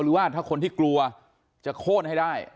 หรือว่าถ้าคนที่กลัวจะโค้นให้ได้